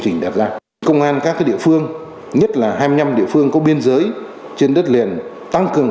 trình đạt ra công an các địa phương nhất là hai mươi năm địa phương có biên giới trên đất liền tăng cường